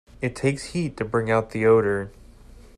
It takes heat to bring out the odor.